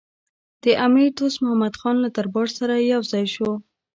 د امیر دوست محمدخان له دربار سره یو ځای شو.